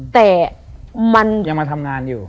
แต่มันยังมาทำงานอยู่